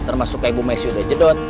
termasuk ibu meksi udai jedot